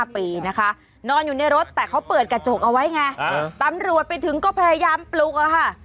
นะคะนอนอยู่ในรถแต่เขาเปิดกระจกเอาไว้ไงตำรวจไปถึงก็พยายามปลุกอะค่ะ